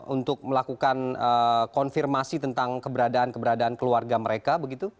untuk melakukan konfirmasi tentang keberadaan keberadaan keluarga mereka